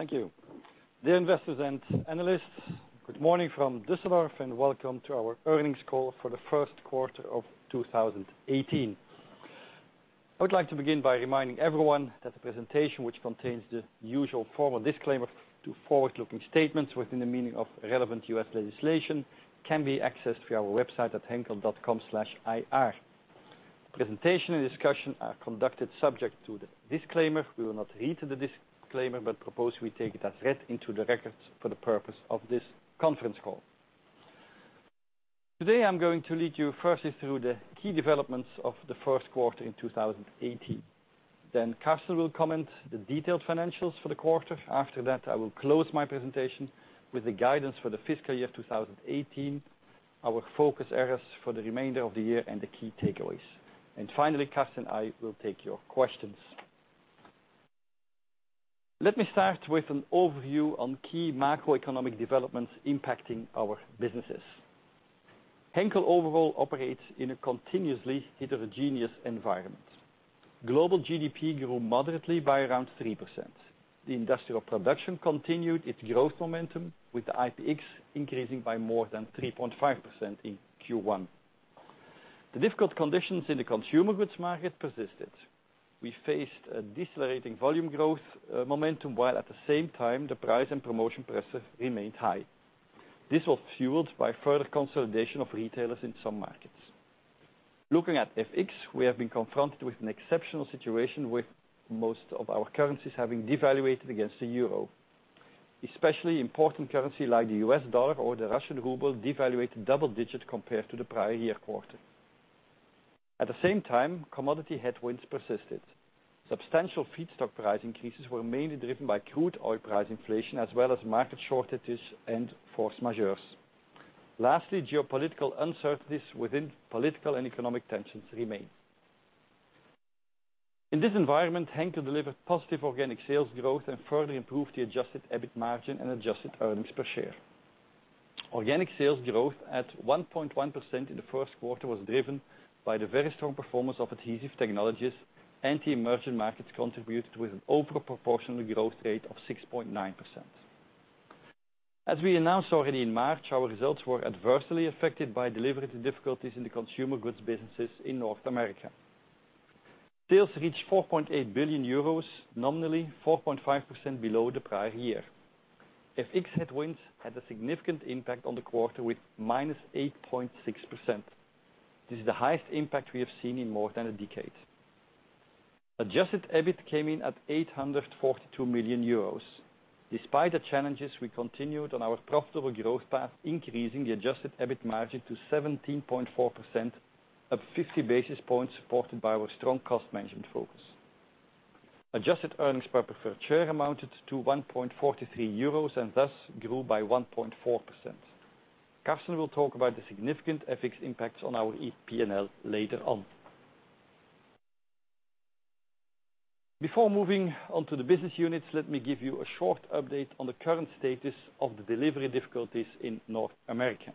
Thank you. Dear investors and analysts, good morning from Düsseldorf and welcome to our earnings call for the first quarter of 2018. I would like to begin by reminding everyone that the presentation, which contains the usual formal disclaimer to forward-looking statements within the meaning of relevant U.S. legislation, can be accessed through our website at henkel.com/ir. The presentation and discussion are conducted subject to the disclaimer. We will not read the disclaimer but propose we take it as read into the records for the purpose of this conference call. Today, I am going to lead you firstly through the key developments of the first quarter in 2018. Carsten will comment on the detailed financials for the quarter. I will close my presentation with the guidance for the fiscal year 2018, our focus areas for the remainder of the year, and the key takeaways. Finally, Carsten and I will take your questions. Let me start with an overview on key macroeconomic developments impacting our businesses. Henkel overall operates in a continuously heterogeneous environment. Global GDP grew moderately by around 3%. The industrial production continued its growth momentum, with the IPX increasing by more than 3.5% in Q1. The difficult conditions in the consumer goods market persisted. We faced a decelerating volume growth momentum, while at the same time the price and promotion pressure remained high. This was fueled by further consolidation of retailers in some markets. Looking at FX, we have been confronted with an exceptional situation with most of our currencies having devaluated against the euro. Especially important currency like the US dollar or the Russian ruble devaluated double digits compared to the prior year quarter. At the same time, commodity headwinds persisted. Substantial feedstock price increases were mainly driven by crude oil price inflation as well as market shortages and force majeures. Lastly, geopolitical uncertainties within political and economic tensions remain. In this environment, Henkel delivered positive organic sales growth and further improved the adjusted EBIT margin and adjusted earnings per share. Organic sales growth at 1.1% in the first quarter was driven by the very strong performance of Adhesive Technologies and the emerging markets contributed with an over-proportionate growth rate of 6.9%. As we announced already in March, our results were adversely affected by delivery difficulties in the consumer goods businesses in North America. Sales reached 4.8 billion euros, nominally 4.5% below the prior year. FX headwinds had a significant impact on the quarter with -8.6%. This is the highest impact we have seen in more than a decade. Adjusted EBIT came in at 842 million euros. Despite the challenges, we continued on our profitable growth path, increasing the adjusted EBIT margin to 17.4%, up 50 basis points, supported by our strong cost management focus. Adjusted earnings per preferred share amounted to 1.43 euros and thus grew by 1.4%. Carsten will talk about the significant FX impacts on our P&L later on. Before moving on to the business units, let me give you a short update on the current status of the delivery difficulties in North America.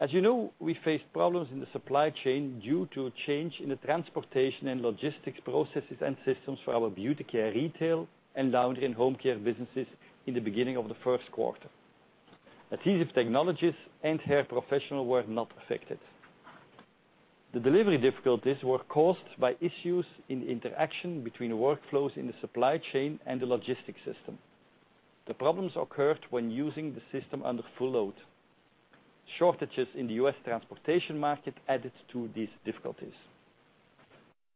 As you know, we faced problems in the supply chain due to a change in the transportation and logistics processes and systems for our Beauty Care, retail, and Laundry & Home Care businesses in the beginning of the first quarter. Adhesive Technologies and Hair Professional were not affected. The delivery difficulties were caused by issues in the interaction between the workflows in the supply chain and the logistics system. The problems occurred when using the system under full load. Shortages in the U.S. transportation market added to these difficulties.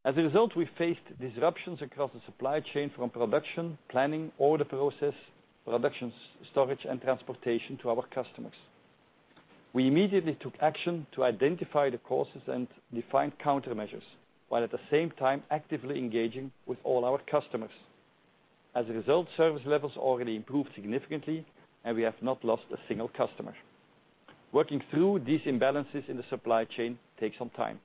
As a result, we faced disruptions across the supply chain from production, planning, order process, production storage, and transportation to our customers. We immediately took action to identify the causes and defined countermeasures, while at the same time actively engaging with all our customers. As a result, service levels already improved significantly, and we have not lost a single customer. Working through these imbalances in the supply chain takes some time.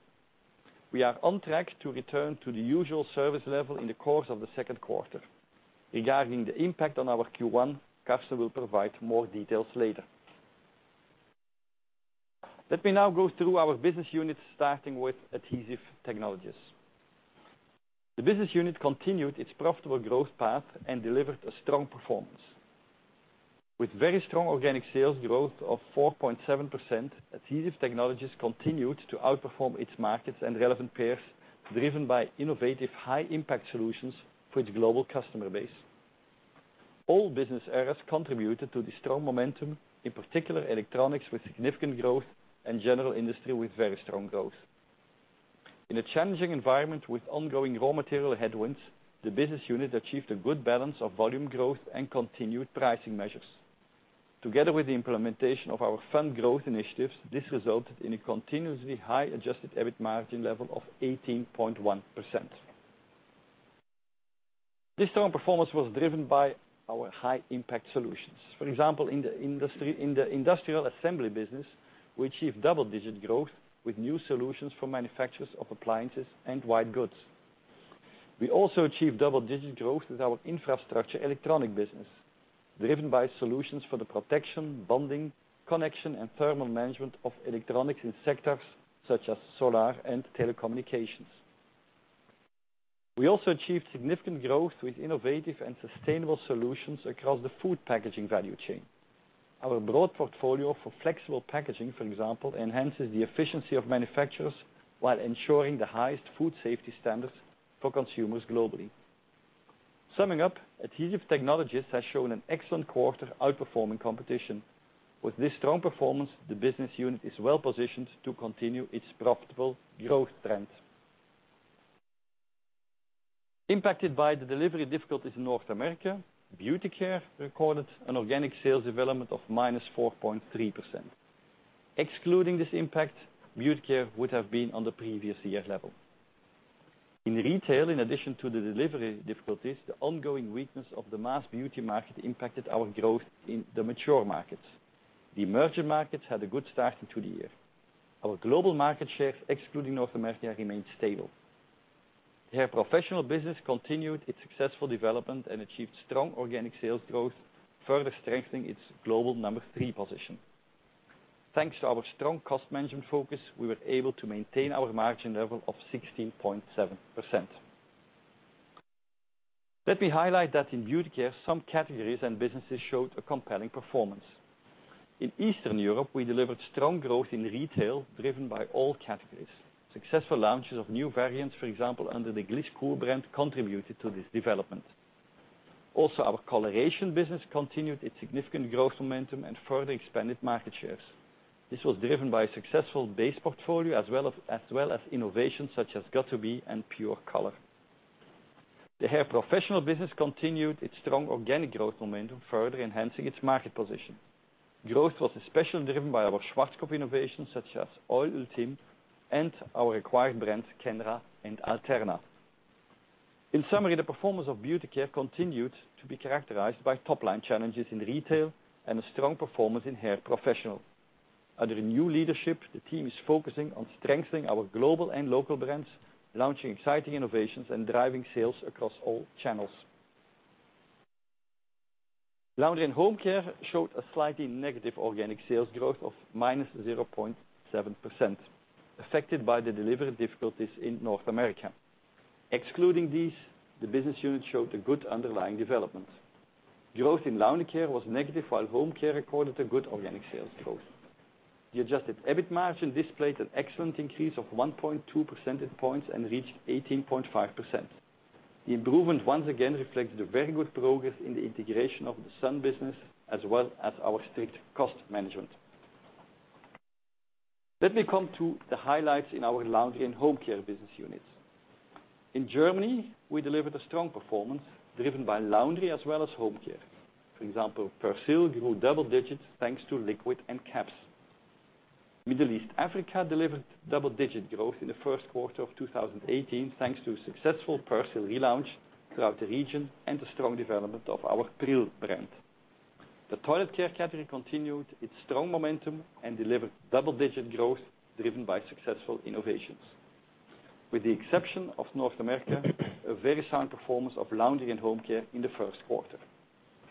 We are on track to return to the usual service level in the course of the second quarter. Regarding the impact on our Q1, Carsten will provide more details later. Let me now go through our business units, starting with Adhesive Technologies. The business unit continued its profitable growth path and delivered a strong performance. With very strong organic sales growth of 4.7%, Adhesive Technologies continued to outperform its markets and relevant peers, driven by innovative, high-impact solutions for its global customer base. All business areas contributed to the strong momentum, in particular electronics with significant growth and general industry with very strong growth. In a challenging environment with ongoing raw material headwinds, the business unit achieved a good balance of volume growth and continued pricing measures. Together with the implementation of our fund growth initiatives, this resulted in a continuously high adjusted EBIT margin level of 18.1%. This strong performance was driven by our high-impact solutions. For example, in the industrial assembly business, we achieved double-digit growth with new solutions for manufacturers of appliances and white goods. We also achieved double-digit growth with our infrastructure electronic business, driven by solutions for the protection, bonding, connection, and thermal management of electronics in sectors such as solar and telecommunications. We also achieved significant growth with innovative and sustainable solutions across the food packaging value chain. Our broad portfolio for flexible packaging, for example, enhances the efficiency of manufacturers while ensuring the highest food safety standards for consumers globally. Summing up, Adhesive Technologies has shown an excellent quarter outperforming competition. With this strong performance, the business unit is well-positioned to continue its profitable growth trend. Impacted by the delivery difficulties in North America, Beauty Care recorded an organic sales development of -4.3%. Excluding this impact, Beauty Care would have been on the previous year level. In retail, in addition to the delivery difficulties, the ongoing weakness of the mass beauty market impacted our growth in the mature markets. The emerging markets had a good start into the year. Our global market share, excluding North America, remained stable. Hair Professional business continued its successful development and achieved strong organic sales growth, further strengthening its global number three position. Thanks to our strong cost management focus, we were able to maintain our margin level of 16.7%. Let me highlight that in Beauty Care, some categories and businesses showed a compelling performance. In Eastern Europe, we delivered strong growth in retail driven by all categories. Successful launches of new variants, for example, under the Gliss Kur brand, contributed to this development. Our coloration business continued its significant growth momentum and further expanded market shares. This was driven by a successful base portfolio as well as innovations such as got2b and Pure Color. The Hair Professional business continued its strong organic growth momentum, further enhancing its market position. Growth was especially driven by our Schwarzkopf innovations such as Oil Ultime and our acquired brands, Kenra and Alterna. In summary, the performance of Beauty Care continued to be characterized by top-line challenges in retail and a strong performance in Hair Professional. Under new leadership, the team is focusing on strengthening our global and local brands, launching exciting innovations and driving sales across all channels. Laundry & Home Care showed a slightly negative organic sales growth of -0.7%, affected by the delivery difficulties in North America. Excluding these, the business unit showed a good underlying development. Growth in Laundry Care was negative, while Home Care recorded a good organic sales growth. The adjusted EBIT margin displayed an excellent increase of 1.2 percentage points and reached 18.5%. The improvement once again reflects the very good progress in the integration of the Sun business, as well as our strict cost management. Let me come to the highlights in our Laundry & Home Care business units. In Germany, we delivered a strong performance driven by Laundry as well as Home Care. For example, Persil grew double digits thanks to liquid and caps. Middle East Africa delivered double-digit growth in the first quarter of 2018, thanks to a successful Persil relaunch throughout the region and the strong development of our Pril brand. The Toilet Care category continued its strong momentum and delivered double-digit growth driven by successful innovations. With the exception of North America, a very sound performance of Laundry & Home Care in the first quarter.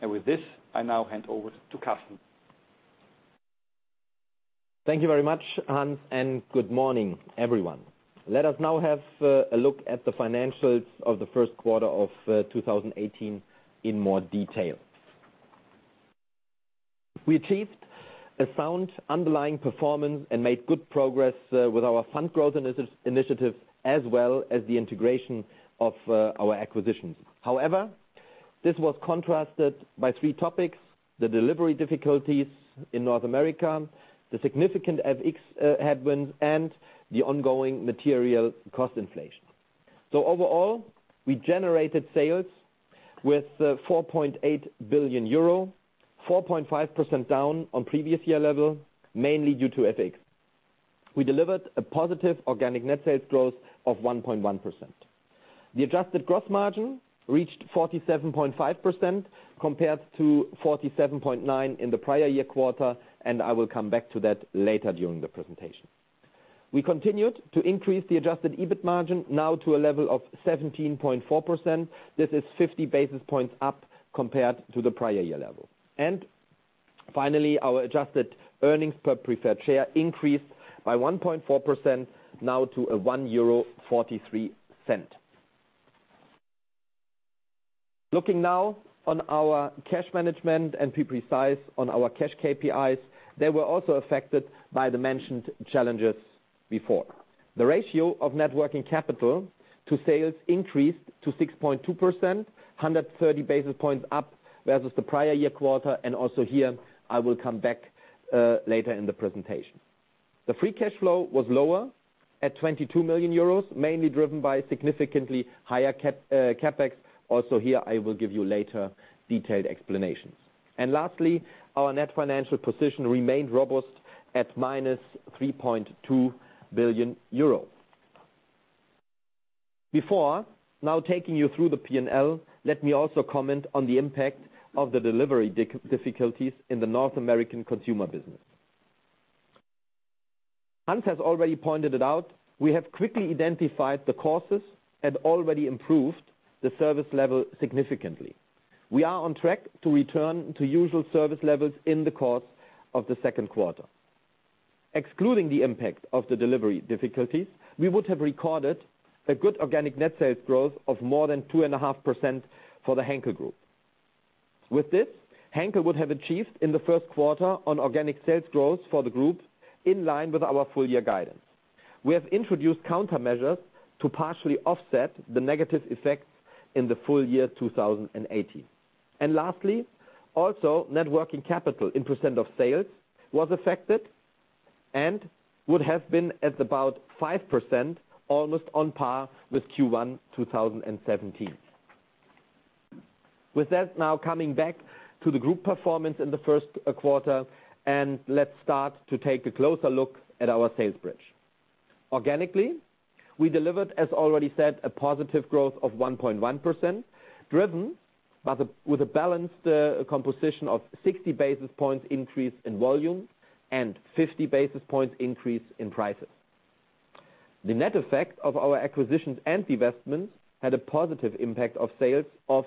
With this, I now hand over to Carsten. Thank you very much, Hans. Good morning, everyone. Let us now have a look at the financials of the first quarter of 2018 in more detail. We achieved a sound underlying performance and made good progress with our Sun growth initiative as well as the integration of our acquisitions. However, this was contrasted by three topics, the delivery difficulties in North America, the significant FX headwinds, and the ongoing material cost inflation. Overall, we generated sales with 4.8 billion euro, 4.5% down on previous year level, mainly due to FX. We delivered a positive organic net sales growth of 1.1%. The adjusted gross margin reached 47.5% compared to 47.9% in the prior year quarter, and I will come back to that later during the presentation. We continued to increase the adjusted EBIT margin now to a level of 17.4%. This is 50 basis points up compared to the prior year level. Finally, our adjusted earnings per preferred share increased by 1.4% now to EUR 1.43. Looking now on our cash management and to be precise on our cash KPIs, they were also affected by the mentioned challenges before. The ratio of net working capital to sales increased to 6.2%, 130 basis points up versus the prior year quarter, and also here, I will come back later in the presentation. The free cash flow was lower at 22 million euros, mainly driven by significantly higher CapEx. Also here, I will give you later detailed explanations. Lastly, our net financial position remained robust at minus 3.2 billion euro. Before now taking you through the P&L, let me also comment on the impact of the delivery difficulties in the North American consumer business. Hans has already pointed it out, we have quickly identified the causes and already improved the service level significantly. We are on track to return to usual service levels in the course of the second quarter. Excluding the impact of the delivery difficulties, we would have recorded a good organic net sales growth of more than 2.5% for the Henkel Group. With this, Henkel would have achieved in the first quarter on organic sales growth for the group, in line with our full year guidance. We have introduced countermeasures to partially offset the negative effects in the full year 2018. Lastly, also net working capital in % of sales was affected and would have been at about 5%, almost on par with Q1 2017. With that now coming back to the group performance in the first quarter, let's start to take a closer look at our sales bridge. Organically, we delivered, as already said, a positive growth of 1.1%, driven with a balanced composition of 60 basis points increase in volume and 50 basis points increase in prices. The net effect of our acquisitions and divestments had a positive impact of sales of 3.0%.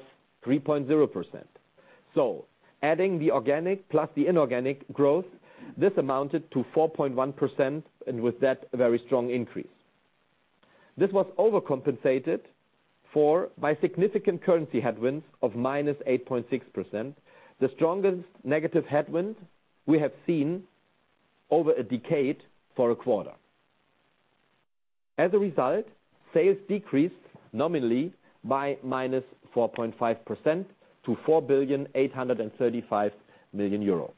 Adding the organic plus the inorganic growth, this amounted to 4.1%, with that, a very strong increase. This was overcompensated for by significant currency headwinds of -8.6%, the strongest negative headwind we have seen over a decade for a quarter. As a result, sales decreased nominally by -4.5% to EUR 4,835,000,000.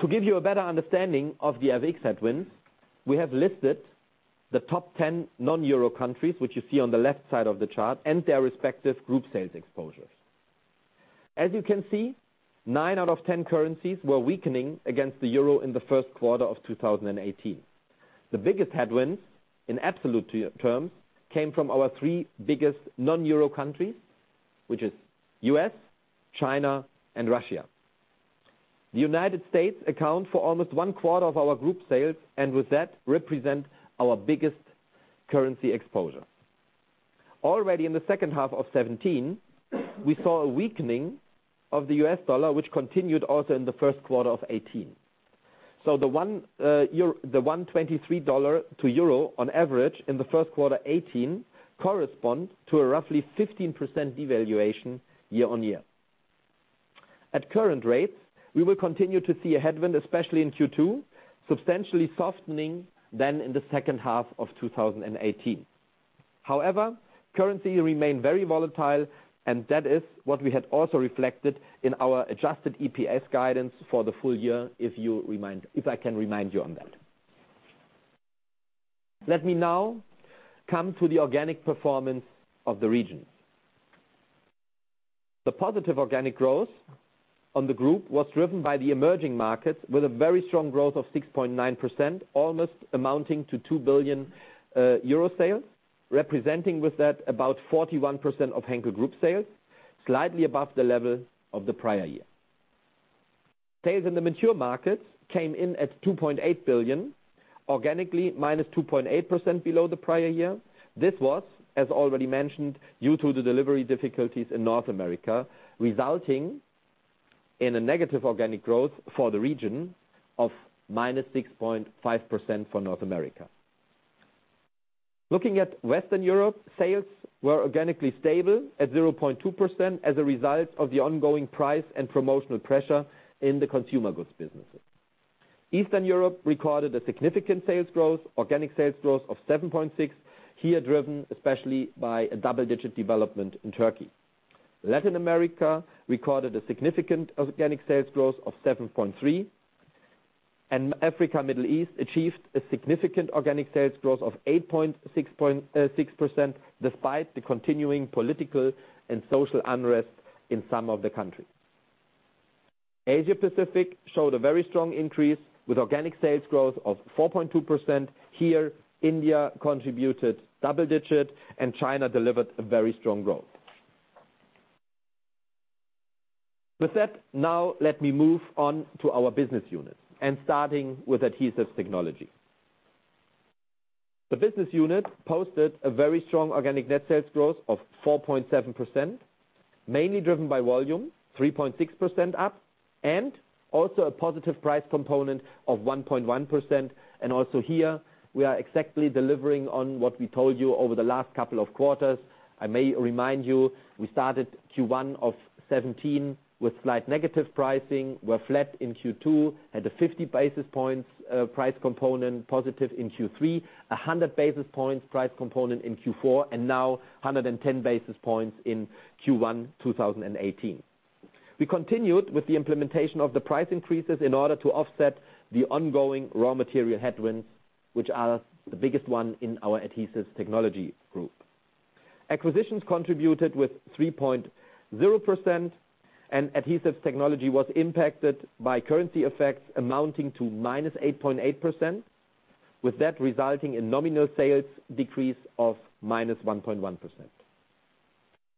To give you a better understanding of the FX headwinds, we have listed the top 10 non-euro countries, which you see on the left side of the chart, their respective group sales exposures. As you can see, nine out of 10 currencies were weakening against the EUR in the first quarter of 2018. The biggest headwinds, in absolute terms, came from our three biggest non-euro countries, which is U.S., China and Russia. The United States account for almost one quarter of our group sales, and with that, represent our biggest currency exposure. Already in the second half of 2017, we saw a weakening of the US dollar, which continued also in the first quarter of 2018. The $1.23 to EUR on average in the first quarter 2018 corresponds to a roughly 15% devaluation year-on-year. At current rates, we will continue to see a headwind, especially in Q2, substantially softening then in the second half of 2018. However, currency remain very volatile, that is what we had also reflected in our adjusted EPS guidance for the full year, if I can remind you on that. Let me now come to the organic performance of the regions. The positive organic growth on the group was driven by the emerging markets with a very strong growth of 6.9%, almost amounting to 2 billion euro sales, representing with that about 41% of Henkel group sales, slightly above the level of the prior year. Sales in the mature markets came in at 2.8 billion, organically minus 2.8% below the prior year. This was, as already mentioned, due to the delivery difficulties in North America, resulting in a negative organic growth for the region of -6.5% for North America. Looking at Western Europe, sales were organically stable at 0.2% as a result of the ongoing price and promotional pressure in the consumer goods businesses. Eastern Europe recorded a significant organic sales growth of 7.6%, here driven especially by a double-digit development in Turkey. Latin America recorded a significant organic sales growth of 7.3%, and Africa, Middle East achieved a significant organic sales growth of 8.6% despite the continuing political and social unrest in some of the countries. Asia Pacific showed a very strong increase with organic sales growth of 4.2%. Here, India contributed double-digit and China delivered a very strong growth. With that, now let me move on to our business units and starting with Adhesive Technology. The business unit posted a very strong organic net sales growth of 4.7%, mainly driven by volume 3.6% up, and also a positive price component of 1.1%. Also here, we are exactly delivering on what we told you over the last couple of quarters. I may remind you, we started Q1 2017 with slight negative pricing. Were flat in Q2. Had a 50 basis points price component positive in Q3. 100 basis points price component in Q4, and now 110 basis points in Q1 2018. We continued with the implementation of the price increases in order to offset the ongoing raw material headwinds, which are the biggest one in our Adhesive Technology group. Acquisitions contributed with 3.0%, and Adhesive Technology was impacted by currency effects amounting to -8.8%. With that resulting in nominal sales decrease of -1.1%.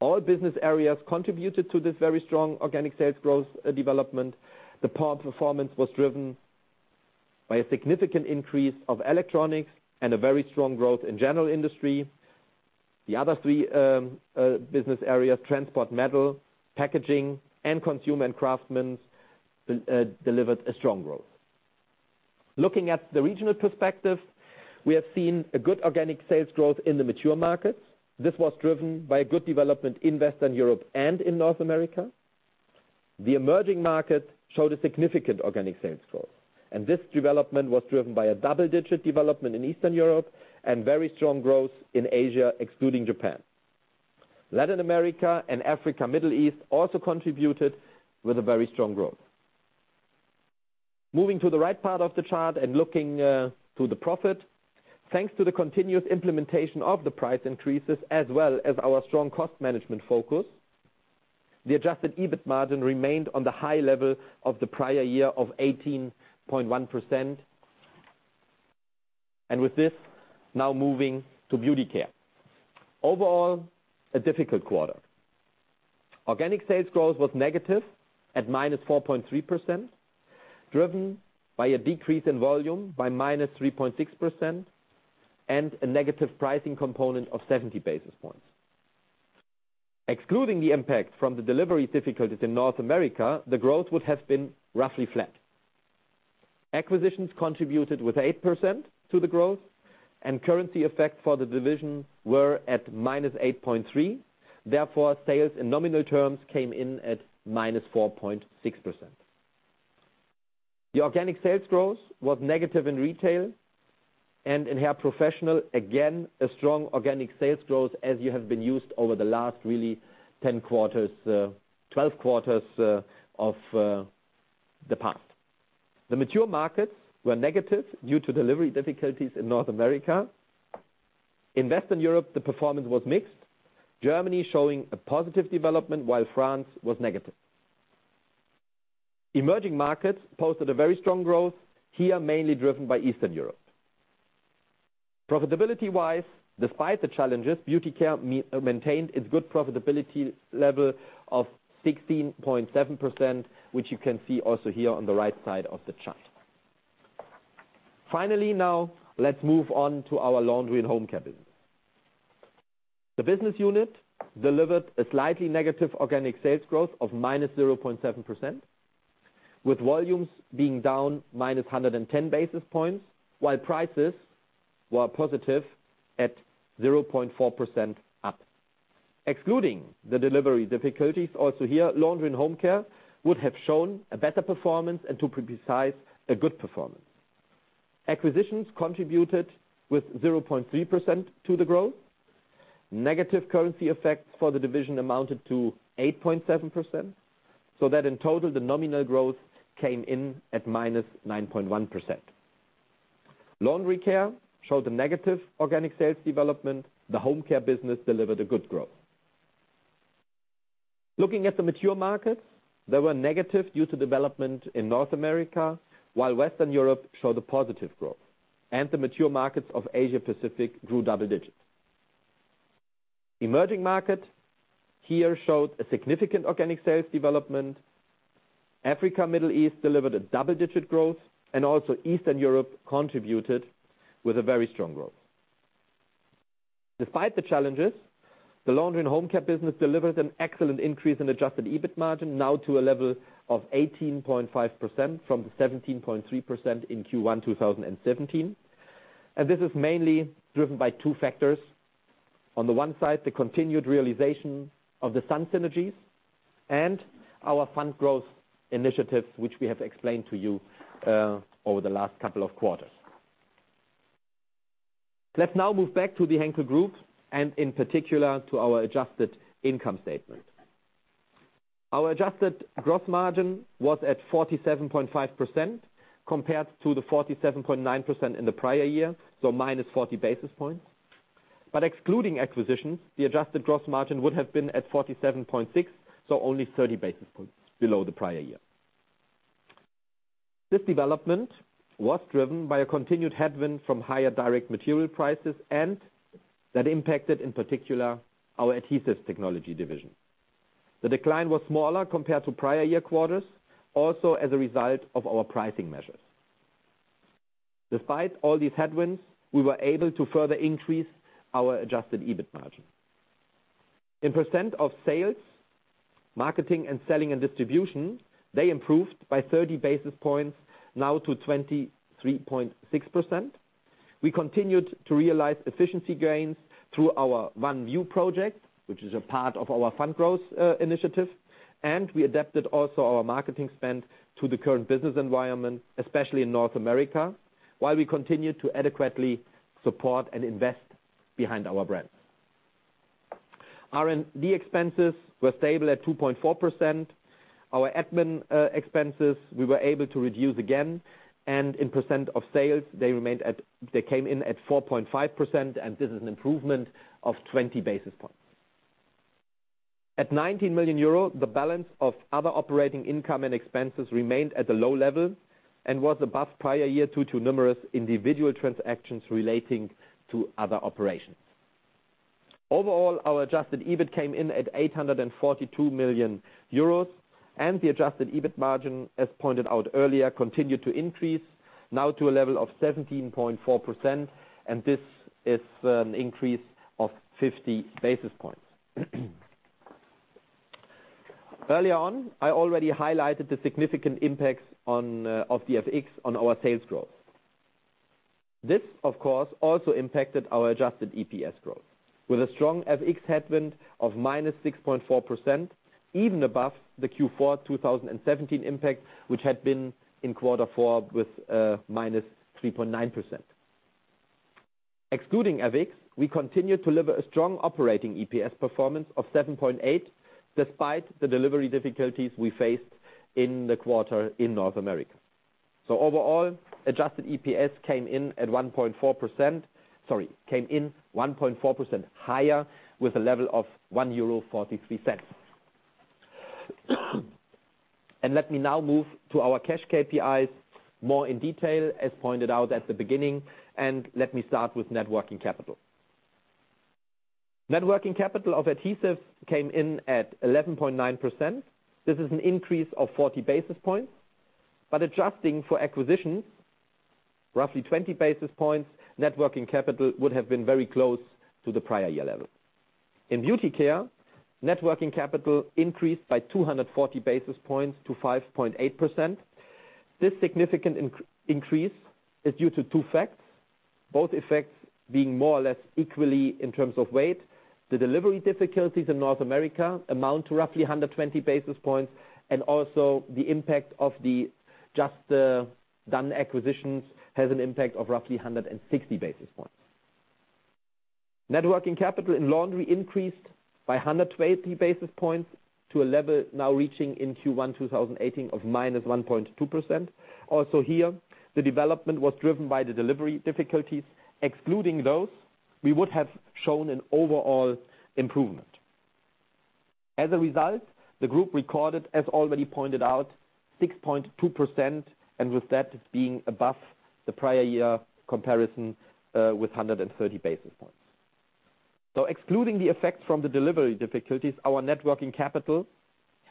All business areas contributed to this very strong organic sales growth development. The overall performance was driven by a significant increase of electronics and a very strong growth in general industry. The other three business areas, transport, metal, packaging and consumer and craftsman, delivered a strong growth. Looking at the regional perspective, we have seen a good organic sales growth in the mature markets. This was driven by a good development in Western Europe and in North America. The emerging markets showed a significant organic sales growth, and this development was driven by a double-digit development in Eastern Europe and very strong growth in Asia, excluding Japan. Latin America and Africa, Middle East also contributed with a very strong growth. Moving to the right part of the chart and looking to the profit. Thanks to the continuous implementation of the price increases as well as our strong cost management focus, the adjusted EBIT margin remained on the high level of the prior year of 18.1%. With this, now moving to Beauty Care. Overall, a difficult quarter. Organic sales growth was negative at -4.3%, driven by a decrease in volume by -3.6%, and a negative pricing component of 70 basis points. Excluding the impact from the delivery difficulties in North America, the growth would have been roughly flat. Acquisitions contributed with 8% to the growth, and currency effect for the division were at -8.3%. Therefore, sales in nominal terms came in at -4.6%. The organic sales growth was negative in retail and in Hair Professional. Again, a strong organic sales growth as you have been used over the last really 12 quarters of the past. The mature markets were negative due to delivery difficulties in North America. In Western Europe, the performance was mixed. Germany showing a positive development while France was negative. Emerging markets posted a very strong growth, here mainly driven by Eastern Europe. Profitability-wise, despite the challenges, Beauty Care maintained its good profitability level of 16.7%, which you can see also here on the right side of the chart. Let's move on to our Laundry and Home Care business. The business unit delivered a slightly negative organic sales growth of -0.7%, with volumes being down -110 basis points, while prices were positive at 0.4% up. Excluding the delivery difficulties, also here, Laundry and Home Care would have shown a better performance, and to precise, a good performance. Acquisitions contributed with 0.3% to the growth. Negative currency effects for the division amounted to 8.7%. In total, the nominal growth came in at -9.1%. Laundry Care showed a negative organic sales development. The Home Care business delivered a good growth. Looking at the mature markets, they were negative due to development in North America, while Western Europe showed a positive growth. The mature markets of Asia-Pacific grew double digits. Emerging markets here showed a significant organic sales development. Africa, Middle East delivered a double-digit growth, and also Eastern Europe contributed with a very strong growth. Despite the challenges, the Laundry and Home Care business delivers an excellent increase in adjusted EBIT margin now to a level of 18.5% from the 17.3% in Q1 2017. This is mainly driven by two factors. On the one side, the continued realization of the Sun synergies and our fund growth initiatives, which we have explained to you over the last couple of quarters. Let's now move back to the Henkel Group and in particular, to our adjusted income statement. Our adjusted gross margin was at 47.5% compared to the 47.9% in the prior year, -40 basis points. Excluding acquisitions, the adjusted gross margin would have been at 47.6%, so only 30 basis points below the prior year. This development was driven by a continued headwind from higher direct material prices and that impacted, in particular, our Adhesive Technologies division. The decline was smaller compared to prior year quarters, also as a result of our pricing measures. Despite all these headwinds, we were able to further increase our adjusted EBIT margin. In percent of sales, marketing and selling and distribution, they improved by 30 basis points now to 23.6%. We continued to realize efficiency gains through our ONE! ViEW project, which is a part of our fund growth initiative. We adapted also our marketing spend to the current business environment, especially in North America, while we continued to adequately support and invest behind our brands. R&D expenses were stable at 2.4%. Our Admin expenses we were able to reduce again, and in percent of sales, they came in at 4.5%, and this is an improvement of 20 basis points. At 19 million euro, the balance of other operating income and expenses remained at a low level and was above prior year due to numerous individual transactions relating to other operations. Overall, our adjusted EBIT came in at 842 million euros and the adjusted EBIT margin, as pointed out earlier, continued to increase now to a level of 17.4%, and this is an increase of 50 basis points. Earlier on, I already highlighted the significant impacts of the FX on our sales growth. This, of course, also impacted our adjusted EPS growth with a strong FX headwind of -6.4%, even above the Q4 2017 impact, which had been in Q4 with -3.9%. Excluding FX, we continued to deliver a strong operating EPS performance of 7.8, despite the delivery difficulties we faced in the quarter in North America. Overall, adjusted EPS came in 1.4% higher with a level of 1.43 euro. Let me now move to our cash KPIs more in detail as pointed out at the beginning, and let me start with net working capital. Net working capital of Adhesives came in at 11.9%. This is an increase of 40 basis points. Adjusting for acquisitions, roughly 20 basis points net working capital would have been very close to the prior year level. In Beauty Care, net working capital increased by 240 basis points to 5.8%. This significant increase is due to two facts, both effects being more or less equally in terms of weight. The delivery difficulties in North America amount to roughly 120 basis points, and also the impact of the just done acquisitions has an impact of roughly 160 basis points. Net working capital in Laundry increased by 120 basis points to a level now reaching in Q1 2018 of minus 1.2%. Also here, the development was driven by the delivery difficulties. Excluding those, we would have shown an overall improvement. As a result, the group recorded, as already pointed out, 6.2%, and with that being above the prior year comparison with 130 basis points. Excluding the effects from the delivery difficulties, our net working capital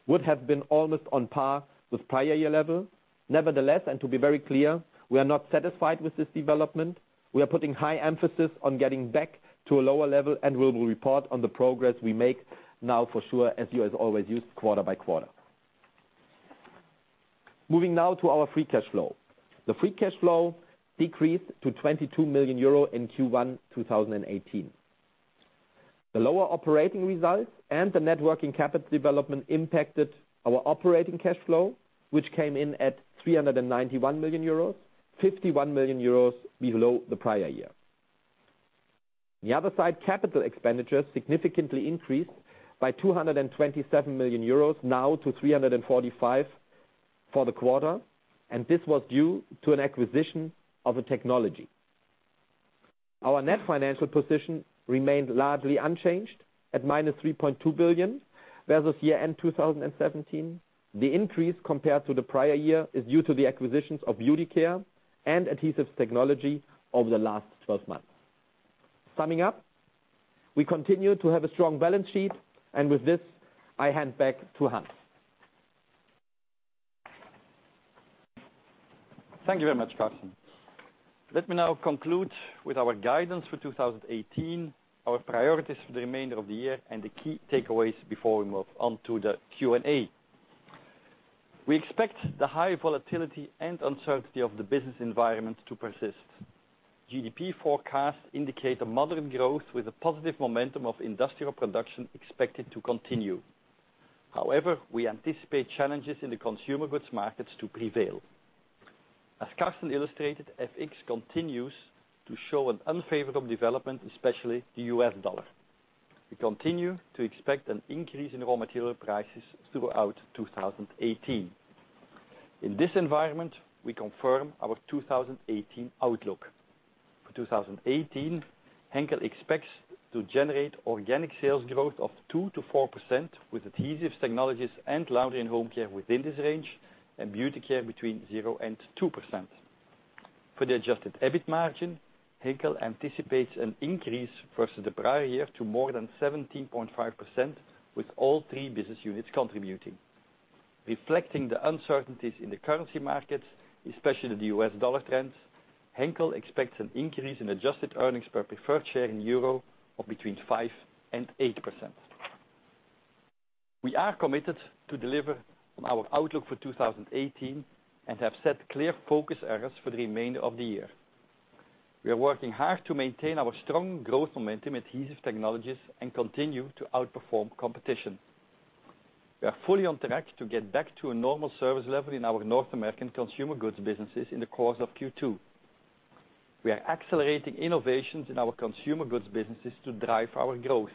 would have been almost on par with prior year level. Nevertheless, and to be very clear, we are not satisfied with this development. We are putting high emphasis on getting back to a lower level, and we will report on the progress we make now for sure, as you as always used quarter by quarter. Moving now to our free cash flow. The free cash flow decreased to 22 million euro in Q1 2018. The lower operating results and the net working capital development impacted our operating cash flow, which came in at 391 million euros, 51 million euros below the prior year. The other side, capital expenditures significantly increased by 227 million euros now to 345 for the quarter, and this was due to an acquisition of a technology. Our net financial position remained largely unchanged at minus 3.2 billion versus year-end 2017. The increase compared to the prior year is due to the acquisitions of Beauty Care and Adhesive Technologies over the last 12 months. Summing up, we continue to have a strong balance sheet, and with this, I hand back to Hans. Thank you very much, Carsten. Let me now conclude with our guidance for 2018, our priorities for the remainder of the year, and the key takeaways before we move on to the Q&A. We expect the high volatility and uncertainty of the business environment to persist. GDP forecasts indicate a moderate growth with a positive momentum of industrial production expected to continue. However, we anticipate challenges in the consumer goods markets to prevail. As Carsten illustrated, FX continues to show an unfavorable development, especially the US dollar. We continue to expect an increase in raw material prices throughout 2018. In this environment, we confirm our 2018 outlook. For 2018, Henkel expects to generate organic sales growth of 2%-4%, with Adhesive Technologies and Laundry & Home Care within this range, and Beauty Care between 0% and 2%. For the adjusted EBIT margin, Henkel anticipates an increase versus the prior year to more than 17.5%, with all three business units contributing. Reflecting the uncertainties in the currency markets, especially the US dollar trends, Henkel expects an increase in adjusted earnings per preferred share in EUR of between 5% and 8%. We are committed to deliver on our outlook for 2018 and have set clear focus areas for the remainder of the year. We are working hard to maintain our strong growth momentum Adhesive Technologies and continue to outperform competition. We are fully on track to get back to a normal service level in our North American consumer goods businesses in the course of Q2. We are accelerating innovations in our consumer goods businesses to drive our growth.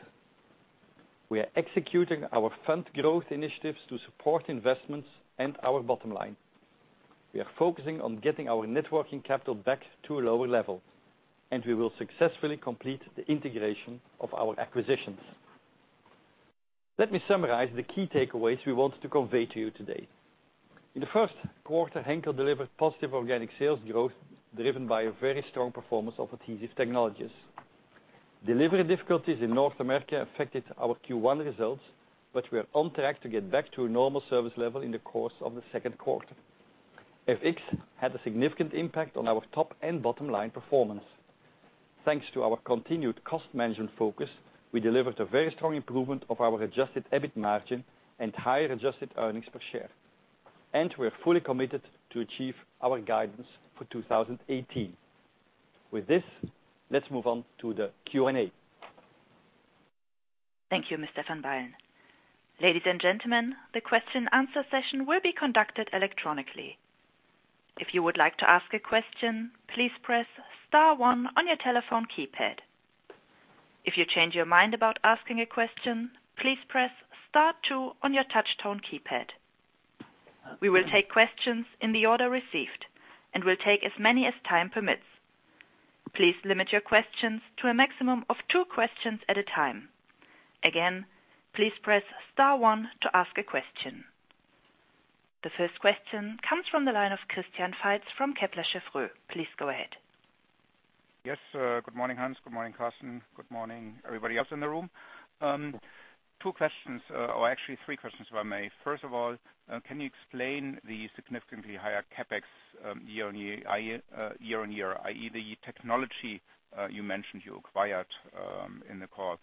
We are executing our fund growth initiatives to support investments and our bottom line. We are focusing on getting our net working capital back to a lower level, and we will successfully complete the integration of our acquisitions. Let me summarize the key takeaways we wanted to convey to you today. In the first quarter, Henkel delivered positive organic sales growth driven by a very strong performance of Adhesive Technologies. Delivery difficulties in North America affected our Q1 results, but we are on track to get back to a normal service level in the course of the second quarter. FX had a significant impact on our top and bottom line performance. Thanks to our continued cost management focus, we delivered a very strong improvement of our adjusted EBIT margin and higher adjusted earnings per share. We're fully committed to achieve our guidance for 2018. With this, let's move on to the Q&A. Thank you, Mr. Van Bylen. Ladies and gentlemen, the question answer session will be conducted electronically. If you would like to ask a question, please press star one on your telephone keypad. If you change your mind about asking a question, please press star two on your touchtone keypad. We will take questions in the order received and will take as many as time permits. Please limit your questions to a maximum of two questions at a time. Again, please press star one to ask a question. The first question comes from the line of Christian Faitz from Kepler Cheuvreux. Please go ahead. Yes. Good morning, Hans. Good morning, Carsten. Good morning, everybody else in the room. Two questions, or actually three questions, if I may. First of all, can you explain the significantly higher CapEx year-over-year, i.e. the technology you mentioned you acquired in the call?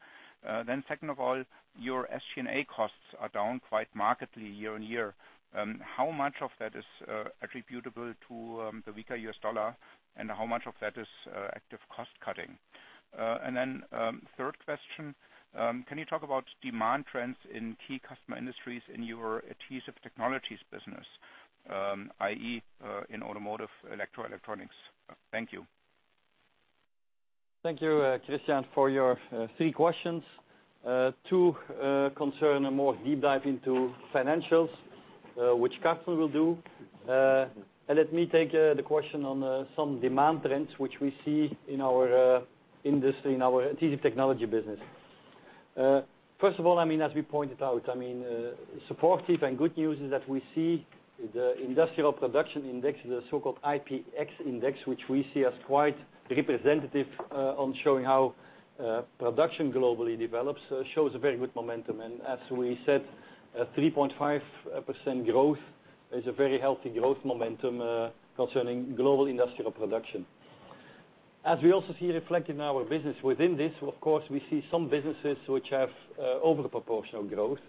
Second of all, your SG&A costs are down quite markedly year-over-year. How much of that is attributable to the weaker U.S. dollar, and how much of that is active cost-cutting? Third question, can you talk about demand trends in key customer industries in your Adhesive Technologies business? I.e. in automotive, electro, electronics. Thank you. Thank you, Christian, for your three questions. Two concern a more deep dive into financials, which Carsten will do. Let me take the question on some demand trends which we see in our industry, in our Adhesive Technologies business. First of all, as we pointed out, supportive and good news is that we see the industrial production index, the so-called IPX index, which we see as quite representative on showing how production globally develops, shows a very good momentum. As we said, 3.5% growth is a very healthy growth momentum concerning global industrial production. As we also see reflected in our business within this, of course, we see some businesses which have over-proportional growth.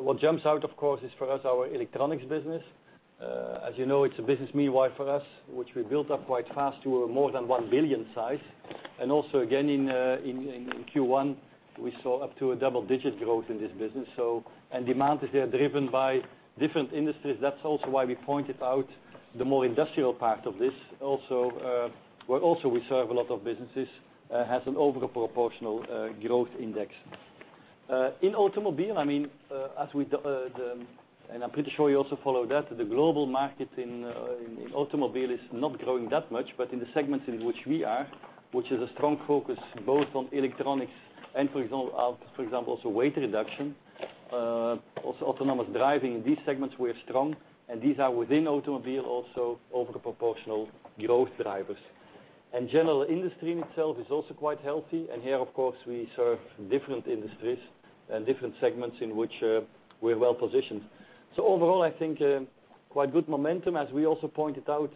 What jumps out, of course, is for us, our electronics business. As you know, it's a business new for us, which we built up quite fast to a more than 1 billion size. Also again in Q1, we saw up to a double-digit growth in this business. Demand is there driven by different industries. That's also why we pointed out the more industrial part of this, where also we serve a lot of businesses, has an over-proportional growth index. In automobile, and I'm pretty sure you also follow that, the global market in automobile is not growing that much, but in the segments in which we are, which is a strong focus both on electronics and for example, also weight reduction, also autonomous driving. In these segments, we are strong, and these are within automobile also over-proportional growth drivers. General industry in itself is also quite healthy. Here, of course, we serve different industries and different segments in which we're well positioned. Overall, I think quite good momentum. As we also pointed out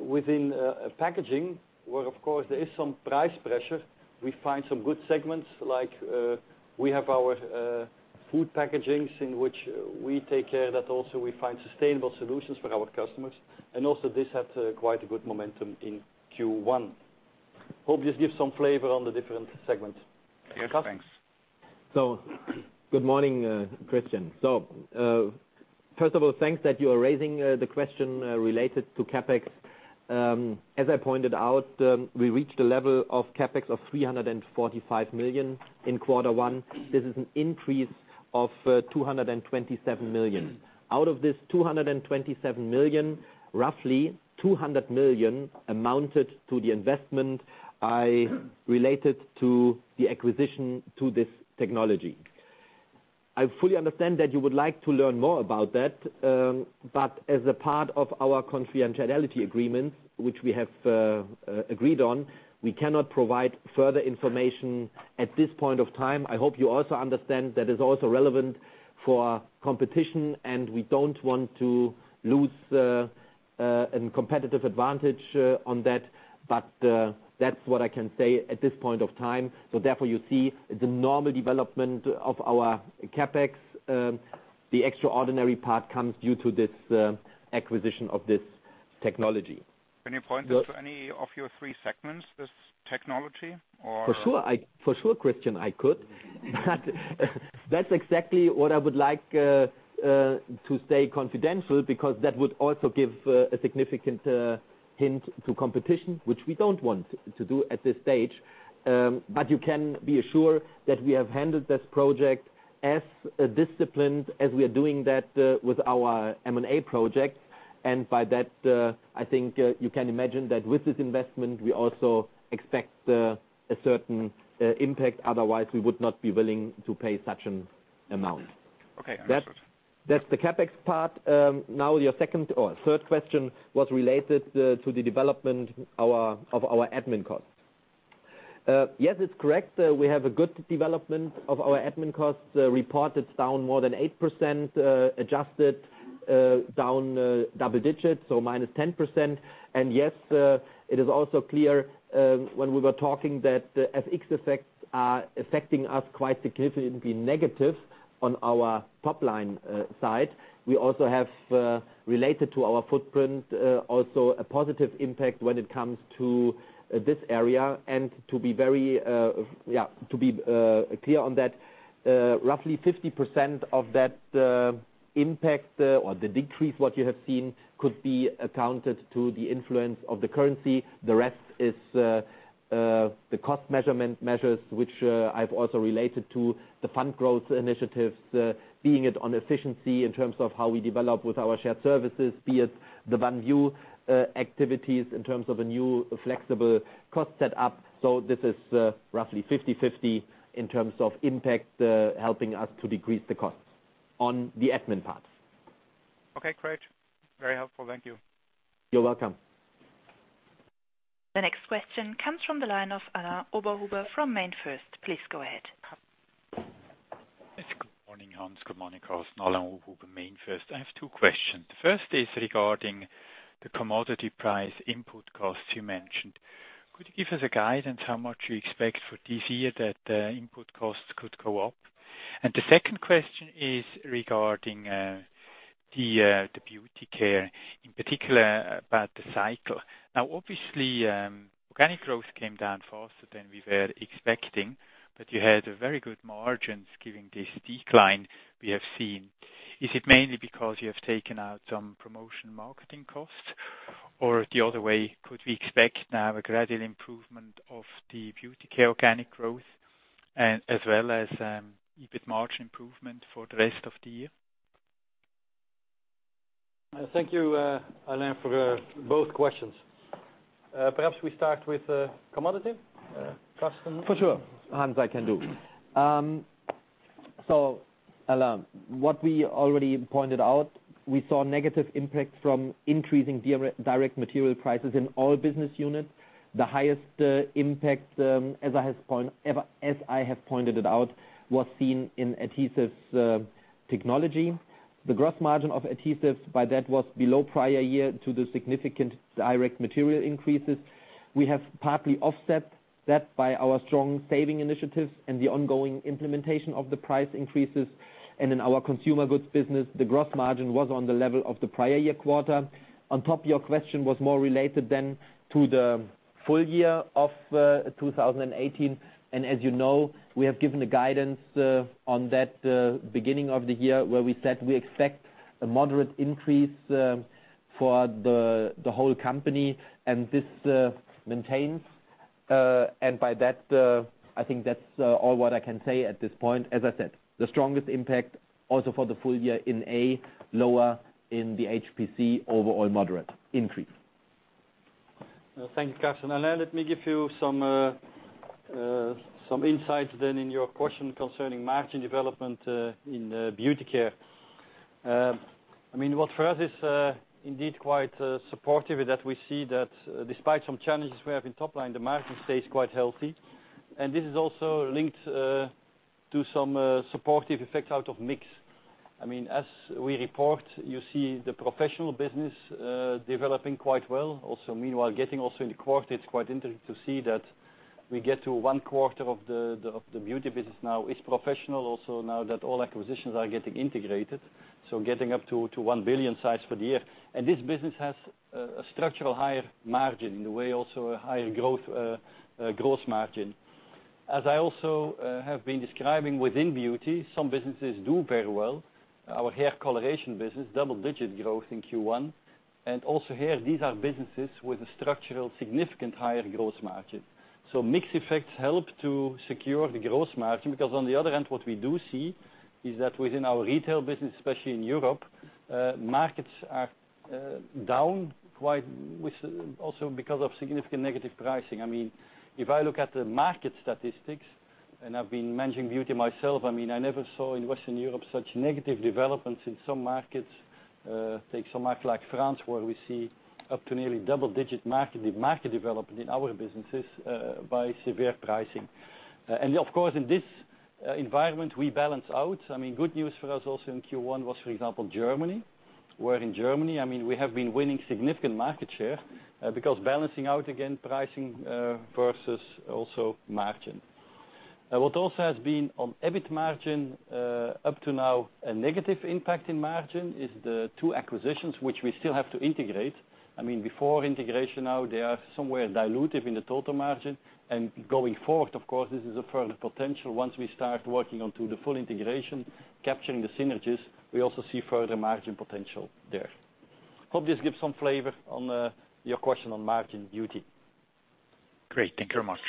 within packaging, where of course there is some price pressure, we find some good segments. Like we have our food packagings in which we take care that also we find sustainable solutions for our customers. Also this had quite a good momentum in Q1. Hope this gives some flavor on the different segments. Yes. Thanks. Carsten. Good morning, Christian. First of all, thanks that you are raising the question related to CapEx. As I pointed out, we reached a level of CapEx of 345 million in quarter one. This is an increase of 227 million. Out of this 227 million, roughly 200 million amounted to the investment I related to the acquisition to this technology. I fully understand that you would like to learn more about that. As a part of our confidentiality agreement, which we have agreed on, we cannot provide further information at this point of time. I hope you also understand that is also relevant for competition, and we don't want to lose a competitive advantage on that. That's what I can say at this point of time. Therefore, you see the normal development of our CapEx. The extraordinary part comes due to this acquisition of this technology. Can you point this to any of your three segments, this technology? For sure, Christian, I could. That's exactly what I would like to stay confidential because that would also give a significant hint to competition, which we don't want to do at this stage. You can be assured that we have handled this project as disciplined as we are doing that with our M&A projects. By that, I think you can imagine that with this investment, we also expect a certain impact, otherwise we would not be willing to pay such an amount. Okay. Understood. Your third question was related to the development of our admin cost. Yes, it's correct. We have a good development of our admin costs. Reported down more than 8%, adjusted down double digits, so minus 10%. Yes, it is also clear when we were talking that FX effects are affecting us quite significantly negative on our top-line side. We also have, related to our footprint, also a positive impact when it comes to this area. To be clear on that, roughly 50% of that impact or the decrease, what you have seen, could be accounted to the influence of the currency. The rest is the cost measures, which I've also related to the Fund Growth initiatives, be it on efficiency in terms of how we develop with our shared services, be it the ONE! ViEW activities in terms of a new flexible cost set up. This is roughly 50/50 in terms of impact helping us to decrease the costs on the admin part. Okay, great. Very helpful. Thank you. You're welcome. The next question comes from the line of Alain Oberhuber from MainFirst. Please go ahead. Yes, good morning, Hans. Good morning, Carsten. Alain Oberhuber, MainFirst. I have two questions. First is regarding the commodity price input costs you mentioned. Could you give us a guidance how much you expect for this year that input costs could go up? The second question is regarding the Beauty Care, in particular about the cycle. Now, obviously, organic growth came down faster than we were expecting, but you had very good margins given this decline we have seen. Is it mainly because you have taken out some promotion marketing costs? Or the other way, could we expect now a gradual improvement of the Beauty Care organic growth as well as EBIT margin improvement for the rest of the year? Thank you, Alain, for both questions. Perhaps we start with commodity, Carsten. For sure, Hans. I can do. Alain, what we already pointed out, we saw negative impact from increasing direct material prices in all business units. The highest impact, as I have pointed it out, was seen in Adhesive Technologies. The gross margin of adhesives by that was below prior year to the significant direct material increases. We have partly offset that by our strong saving initiatives and the ongoing implementation of the price increases. In our consumer goods business, the gross margin was on the level of the prior year quarter. On top, your question was more related to the full year of 2018. As you know, we have given the guidance on that beginning of the year where we said we expect a moderate increase for the whole company, and this maintains. By that, I think that's all what I can say at this point. As I said, the strongest impact also for the full year in A, lower in the HPC, overall moderate increase. Thank you, Carsten. Alain, let me give you some insights in your question concerning margin development in Beauty Care. What for us is indeed quite supportive is that we see that despite some challenges we have in top line, the margin stays quite healthy. This is also linked to some supportive effects out of mix. As we report, you see the professional business developing quite well. Also, meanwhile, getting also in the quarter, it's quite interesting to see that we get to one quarter of the beauty business now is professional also now that all acquisitions are getting integrated. Getting up to 1 billion size for the year. This business has a structural higher margin, in a way also a higher growth gross margin. As I also have been describing within beauty, some businesses do very well. Our hair coloration business, double-digit growth in Q1. Also here, these are businesses with a structural significant higher gross margin. Mix effects help to secure the gross margin because on the other end, what we do see is that within our retail business, especially in Europe, markets are down also because of significant negative pricing. If I look at the market statistics, and I've been managing beauty myself, I never saw in Western Europe such negative developments in some markets. Take some market like France, where we see up to nearly double-digit market development in our businesses by severe pricing. Of course, in this environment, we balance out. Good news for us also in Q1 was, for example, Germany, where in Germany, we have been winning significant market share because balancing out again pricing versus also margin. What also has been on EBIT margin up to now a negative impact in margin is the two acquisitions which we still have to integrate. Before integration, now they are somewhere dilutive in the total margin. Going forward, of course, this is a further potential once we start working on to the full integration, capturing the synergies, we also see further margin potential there. Hope this gives some flavor on your question on margin beauty. Great. Thank you very much.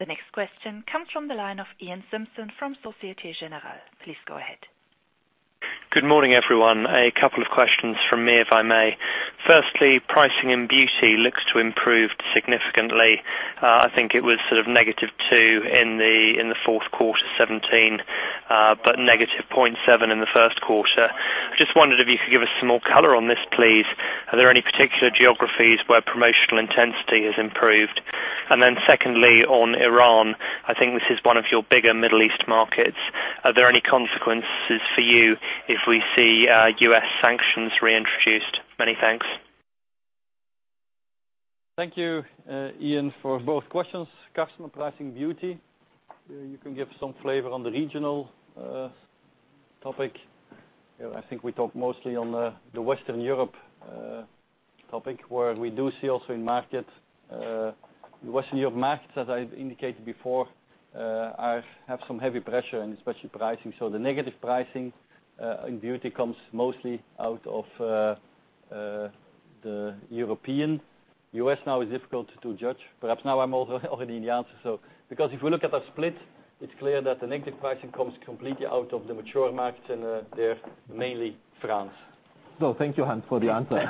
The next question comes from the line of Iain Simpson from Societe Generale. Please go ahead. Good morning, everyone. A couple of questions from me, if I may. Firstly, pricing in beauty looks to improve significantly. I think it was sort of negative two in the fourth quarter 2017, but negative 0.7 in the first quarter. I just wondered if you could give us some more color on this, please. Are there any particular geographies where promotional intensity has improved? Secondly, on Iran, I think this is one of your bigger Middle East markets. Are there any consequences for you if we see U.S. sanctions reintroduced? Many thanks. Thank you, Iain, for both questions. Customer pricing beauty. You can give some flavor on the regional topic. I think we talk mostly on the Western Europe topic, where we do see also in markets. Western Europe markets, as I indicated before, have some heavy pressure and especially pricing. The negative pricing in beauty comes mostly out of the European. U.S. now is difficult to judge. Perhaps now I'm already in the answer. Because if we look at our split, it's clear that the negative pricing comes completely out of the mature markets and they're mainly France. Thank you, Hans, for the answer.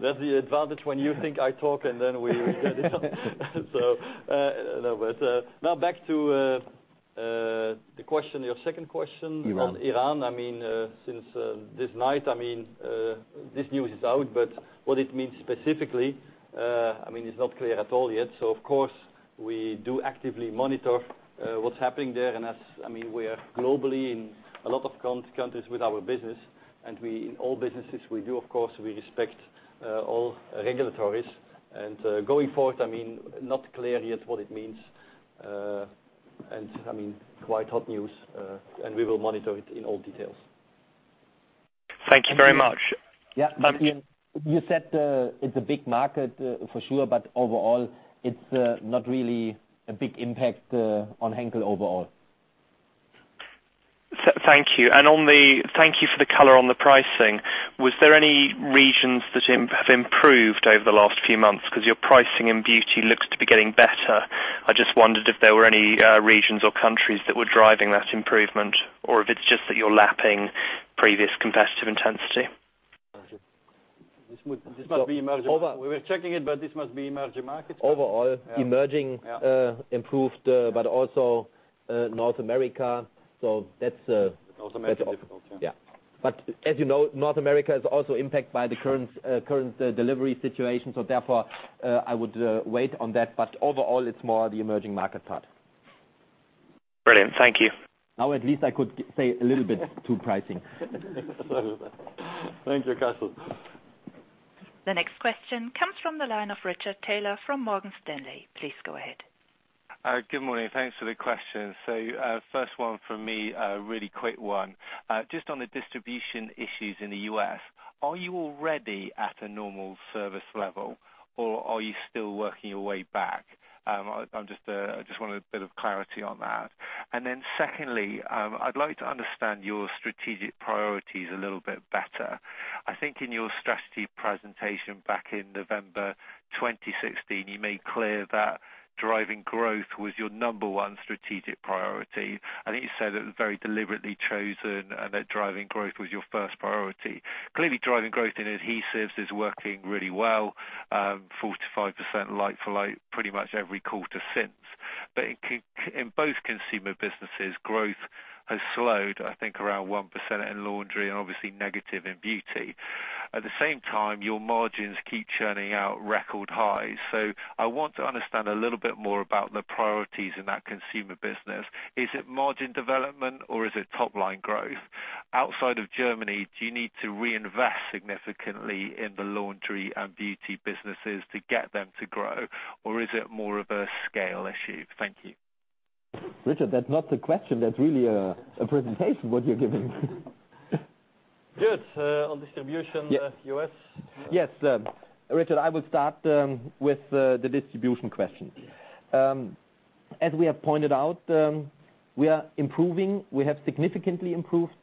That's the advantage when you think I talk and then we get it. But now back to your second question- Iran on Iran. Since this night, this news is out, what it means specifically is not clear at all yet. Of course we do actively monitor what's happening there and we are globally in a lot of countries with our business, and in all businesses we do, of course, we respect all regulatories. Going forward, not clear yet what it means. Quite hot news, and we will monitor it in all details. Thank you very much. Yeah. You said it's a big market for sure, overall it's not really a big impact on Henkel overall. Thank you. Thank you for the color on the pricing. Was there any regions that have improved over the last few months? Your pricing in Beauty Care looks to be getting better. I just wondered if there were any regions or countries that were driving that improvement, or if it's just that you're lapping previous competitive intensity. This must be emerging. We were checking it, this must be emerging markets. Overall. Yeah. Emerging improved but also North America. North America difficult, yeah. Yeah. As you know, North America is also impacted by the current delivery situation. Therefore, I would wait on that. Overall, it's more the emerging market part. Brilliant. Thank you. Now at least I could say a little bit to pricing. Thank you, Carsten. The next question comes from the line of Richard Taylor from Morgan Stanley. Please go ahead. Good morning. Thanks for the questions. First one from me, a really quick one. Just on the distribution issues in the U.S., are you already at a normal service level, or are you still working your way back? I just wanted a bit of clarity on that. Secondly, I'd like to understand your strategic priorities a little bit better. I think in your strategy presentation back in November 2016, you made clear that driving growth was your number 1 strategic priority. I think you said that it was very deliberately chosen and that driving growth was your first priority. Clearly, driving growth in adhesives is working really well. 4%-5% like for like pretty much every quarter since. In both consumer businesses, growth has slowed, I think around 1% in laundry and obviously negative in beauty. At the same time, your margins keep churning out record highs. I want to understand a little bit more about the priorities in that consumer business. Is it margin development or is it top line growth? Outside of Germany, do you need to reinvest significantly in the laundry and beauty businesses to get them to grow? Or is it more of a scale issue? Thank you. Richard, that's not a question. That's really a presentation, what you're giving. Yes, on distribution. Yeah. US. Yes. Richard, I will start with the distribution question. As we have pointed out, we are improving. We have significantly improved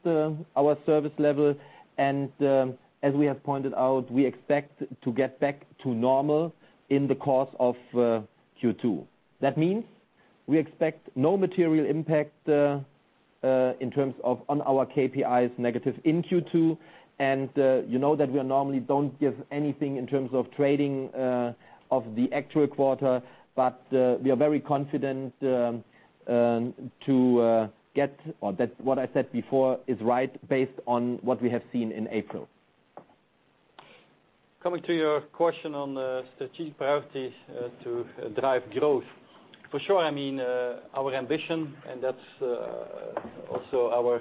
our service level. As we have pointed out, we expect to get back to normal in the course of Q2. That means we expect no material impact in terms of on our KPIs negative in Q2. You know that we normally don't give anything in terms of trading of the actual quarter. We are very confident that what I said before is right based on what we have seen in April. Coming to your question on strategic priorities to drive growth. For sure, our ambition, and that's also our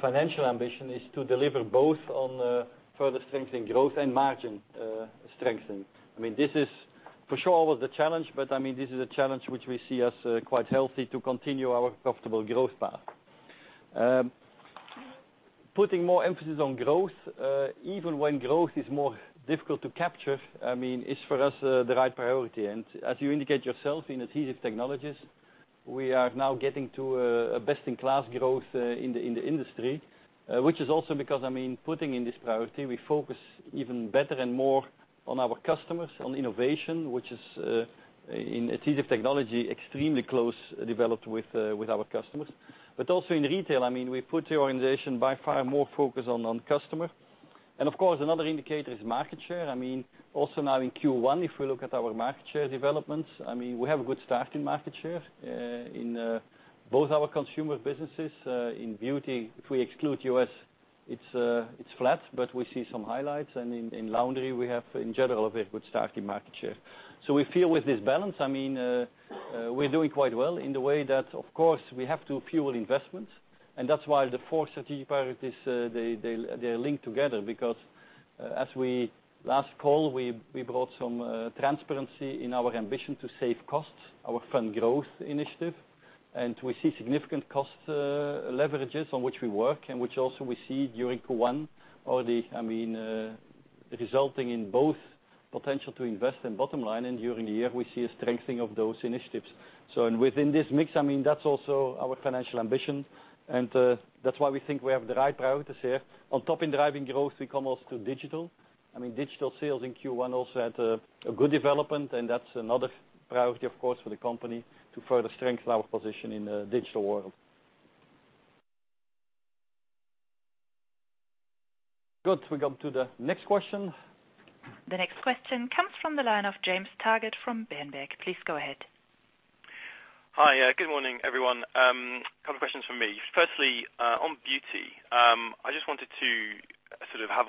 financial ambition, is to deliver both on further strengthening growth and margin strengthening. This is for sure always a challenge, but this is a challenge which we see as quite healthy to continue our profitable growth path. Putting more emphasis on growth even when growth is more difficult to capture, is for us the right priority. As you indicate yourself in Adhesive Technologies, we are now getting to a best-in-class growth in the industry, which is also because, putting in this priority, we focus even better and more on our customers, on innovation, which is, in adhesive technology, extremely close developed with our customers. Also in retail, we put the organization by far more focus on customer. Of course, another indicator is market share. Also now in Q1, if we look at our market share developments, we have a good start in market share in both our consumer businesses. In beauty, if we exclude U.S., it's flat, but we see some highlights. In laundry, we have, in general, a very good start in market share. We feel with this balance, we're doing quite well in the way that, of course, we have to fuel investments, and that's why the four strategic priorities, they link together because, last call, we brought some transparency in our ambition to save costs, our Fund Growth initiative. We see significant cost leverages on which we work and which also we see during Q1 resulting in both potential to invest in bottom line, and during the year, we see a strengthening of those initiatives. Within this mix, that's also our financial ambition, and that's why we think we have the right priorities here. On top in driving growth, we commit to digital. Digital sales in Q1 also had a good development. That's another priority, of course, for the company to further strengthen our position in the digital world. Good. We come to the next question. The next question comes from the line of James Taggart from Berenberg. Please go ahead. Hi. Good morning, everyone. A couple of questions from me. Firstly, on beauty, I just wanted to have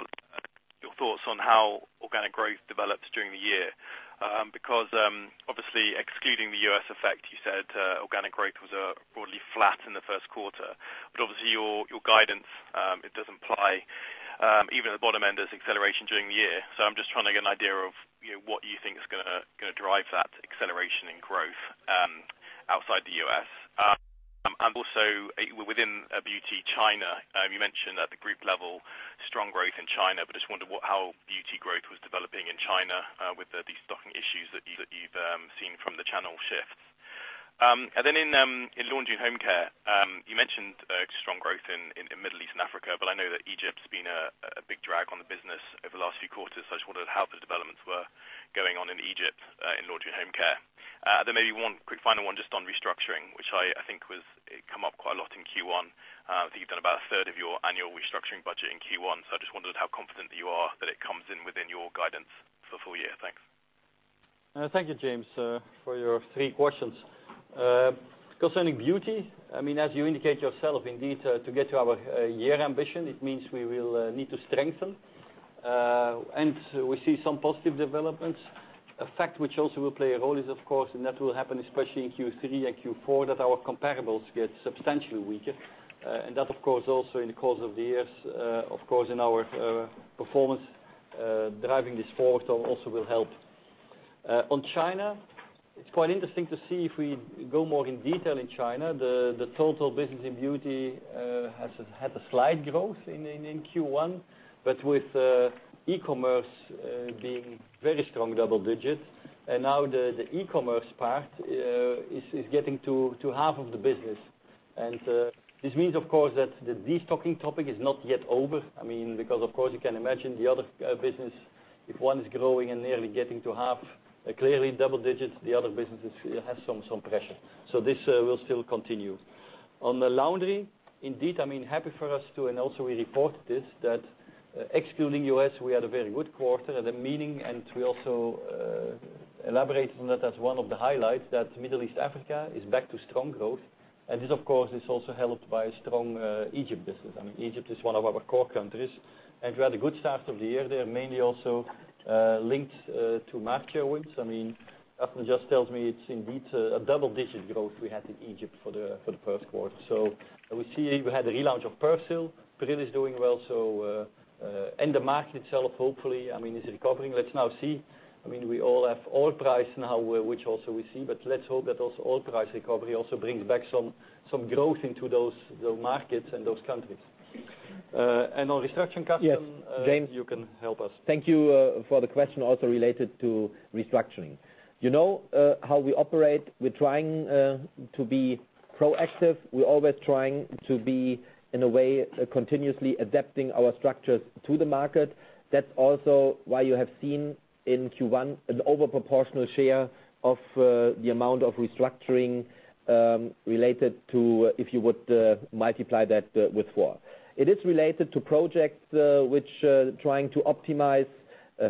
your thoughts on how organic growth developed during the year. Obviously, excluding the U.S. effect, you said organic growth was broadly flat in the first quarter, but obviously your guidance, it does imply, even at the bottom end, there's acceleration during the year. I'm just trying to get an idea of what you think is going to drive that acceleration in growth outside the U.S. Within beauty, China, you mentioned at the group level, strong growth in China, but I just wondered how beauty growth was developing in China with the destocking issues that you've seen from the channel shift. In Laundry & Home Care, you mentioned strong growth in Middle East and Africa, but I know that Egypt's been a big drag on the business over the last few quarters. I just wondered how the developments were going on in Egypt in Laundry & Home Care. Maybe one quick final one just on restructuring, which I think it came up quite a lot in Q1. You've done about a third of your annual restructuring budget in Q1, I just wondered how confident you are that it comes in within your guidance for the full year. Thanks. Thank you, James, for your three questions. Concerning beauty, as you indicate yourself, indeed, to get to our year ambition, it means we will need to strengthen. We see some positive developments. A fact which also will play a role is, of course, and that will happen especially in Q3 and Q4, that our comparables get substantially weaker. That also in the course of the years, in our performance, driving this forward also will help. On China, it's quite interesting to see if we go more in detail in China, the total business in beauty has had a slight growth in Q1, but with e-commerce being very strong double digits. The e-commerce part is getting to half of the business. This means that the destocking topic is not yet over. You can imagine the other business, if one is growing and nearly getting to half, clearly double digits, the other businesses have some pressure. This will still continue. On the laundry, indeed, happy for us, and also we reported this, that excluding U.S., we had a very good quarter. We also elaborated on that as one of the highlights, that Middle East, Africa is back to strong growth. This is also helped by strong Egypt business. Egypt is one of our core countries, and we had a good start of the year there, mainly also linked to market share wins. Carsten just tells me it's indeed a double-digit growth we had in Egypt for the first quarter. We see we had a relaunch of Persil. Persil is doing well, the market itself, hopefully, is recovering. Let's now see. We all have oil price now, which also we see, but let's hope that also oil price recovery also brings back some growth into those markets and those countries. On restructuring, Carsten- Yes, James you can help us. Thank you for the question also related to restructuring. You know how we operate. We're trying to be proactive. We're always trying to be, in a way, continuously adapting our structures to the market. That's also why you have seen in Q1 an overproportional share of the amount of restructuring related to if you would multiply that with four. It is related to projects which are trying to optimize,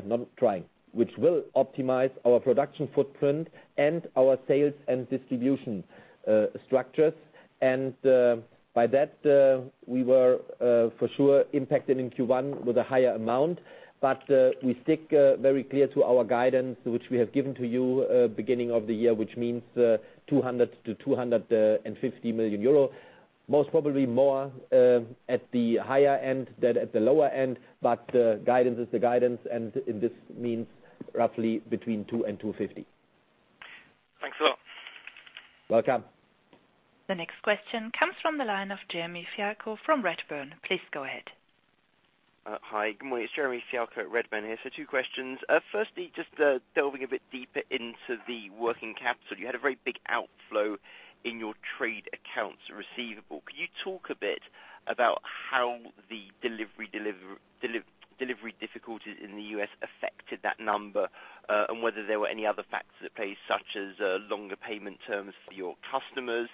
not trying, which will optimize our production footprint and our sales and distribution structures. By that, we were for sure impacted in Q1 with a higher amount. We stick very clear to our guidance, which we have given to you beginning of the year, which means 200 million-250 million euro. Most probably more at the higher end than at the lower end, but guidance is the guidance, and this means roughly between 200 million and 250 million. Thanks a lot. Welcome. The next question comes from the line of Jeremy Fialko from Redburn. Please go ahead. Hi, good morning. It's Jeremy Fialko at Redburn here. Two questions. Firstly, just delving a bit deeper into the working capital. You had a very big outflow in your trade accounts receivable. Could you talk a bit about how the delivery difficulties in the U.S. affected that number? Whether there were any other factors at play, such as longer payment terms for your customers.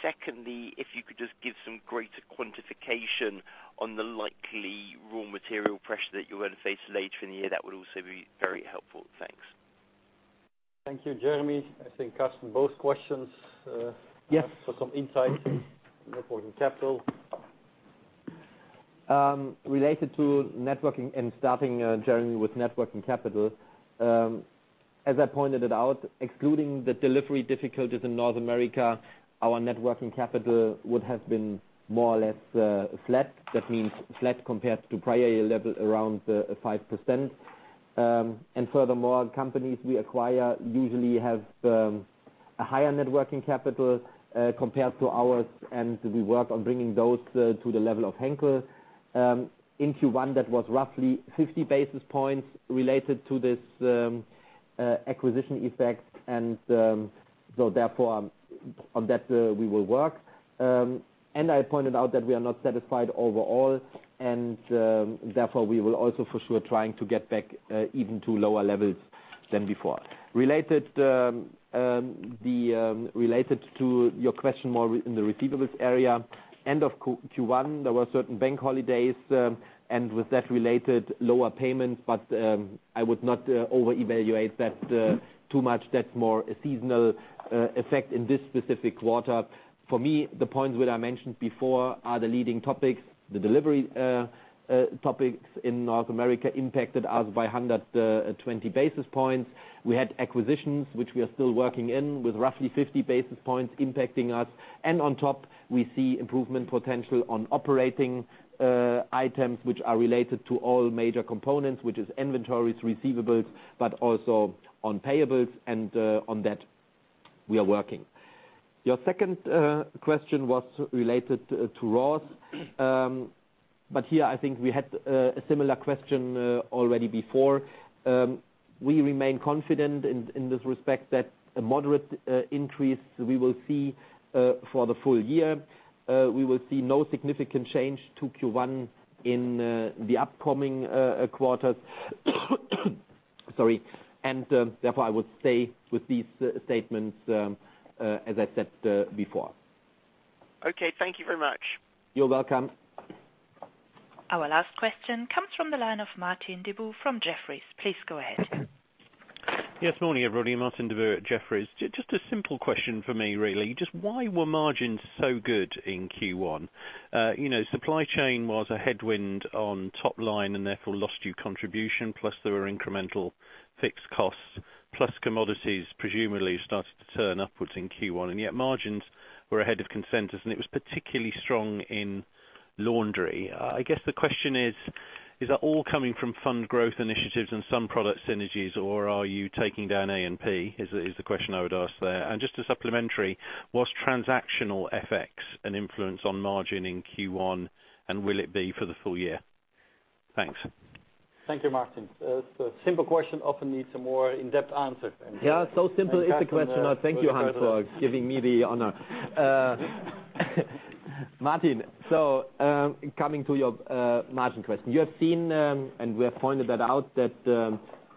Secondly, if you could just give some greater quantification on the likely raw material pressure that you're going to face later in the year, that would also be very helpful. Thanks. Thank you, Jeremy. I think, Carsten, both questions. Yes for some insight net working capital. Related to net working capital and starting, Jeremy, with net working capital. As I pointed it out, excluding the delivery difficulties in North America, our net working capital would have been more or less flat. That means flat compared to prior year level, around 5%. Furthermore, companies we acquire usually have a higher net working capital compared to ours, and we work on bringing those to the level of Henkel. In Q1, that was roughly 50 basis points related to this acquisition effect. Therefore, on that, we will work. I pointed out that we are not satisfied overall, and therefore we will also for sure trying to get back even to lower levels than before. Related to your question more in the receivables area, end of Q1, there were certain bank holidays, and with that related lower payments, I would not over-evaluate that too much. That's more a seasonal effect in this specific quarter. For me, the points which I mentioned before are the leading topics, the delivery topics in North America impacted us by 120 basis points. We had acquisitions, which we are still working in with roughly 50 basis points impacting us. On top, we see improvement potential on operating items which are related to all major components, which is inventories, receivables, but also on payables and on that we are working. Your second question was related to raws. Here I think we had a similar question already before. We remain confident in this respect that a moderate increase we will see for the full year. We will see no significant change to Q1 in the upcoming quarters. Sorry. Therefore, I would stay with these statements as I said before. Okay. Thank you very much. You're welcome. Our last question comes from the line of Martin Deboo from Jefferies. Please go ahead. Yes, morning everybody. Martin Deboo at Jefferies. Just a simple question from me, really. Just why were margins so good in Q1? Supply chain was a headwind on top line and therefore lost you contribution. Plus there were incremental fixed costs, plus commodities presumably started to turn upwards in Q1, and yet margins were ahead of consensus and it was particularly strong in Laundry & Home Care. I guess the question is that all coming from fund growth initiatives and some product synergies, or are you taking down A&P? Is the question I would ask there. And just a supplementary, was transactional FX an influence on margin in Q1 and will it be for the full year? Thanks. Thank you, Martin. A simple question often needs a more in-depth answer. Simple is the question. Thank you, Hans, for giving me the honor. Martin, coming to your margin question. You have seen, we have pointed that out, that